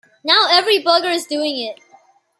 Now every bugger's doing it.